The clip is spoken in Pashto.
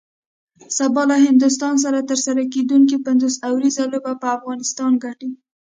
سبا له هندوستان سره ترسره کیدونکی پنځوس اوریزه لوبه به افغانستان ګټي